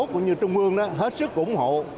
cũng như trung ương hết sức ủng hộ